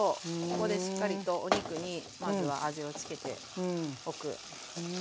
ここでしっかりとお肉にまずは味を付けておく。